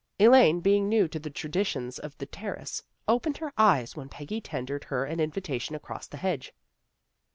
Elaine, being new to the traditions of the Terrace, opened her eyes when Peggy tendered her an invitation across the hedge.